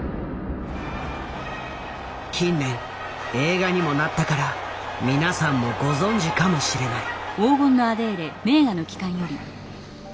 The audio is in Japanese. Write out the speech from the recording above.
近年映画にもなったから皆さんもご存じかもしれない。